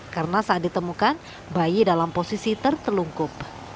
karena saat ditemukan bayi dalam posisi tertelungkup